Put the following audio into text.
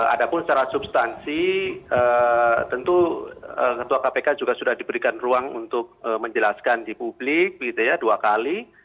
ada pun secara substansi tentu ketua kpk juga sudah diberikan ruang untuk menjelaskan di publik dua kali